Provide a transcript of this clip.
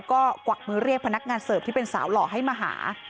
ก็กวักมือเรียกพนักงานเสิร์ฟที่เป็นสาวหล่อให้มาหา